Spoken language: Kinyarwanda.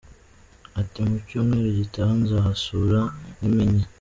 Ati “Mu cyumweru gitaha nzahasura nkimenye.